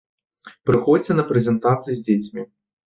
Прыходзьце на прэзентацыі з дзецьмі!